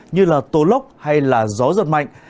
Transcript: như là tố lốc hay là gió giật mạnh